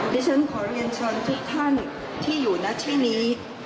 นี่ฉันขอเรียนชนทุกท่านที่อยู่ในที่นี้